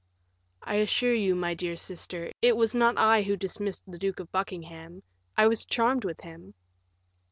"I assure you, my dear sister, it was not I who dismissed the Duke of Buckingham; I was charmed with him."